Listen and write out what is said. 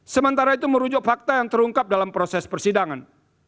sementara itu merujuk fakta yang terungkap dalam proses persidangan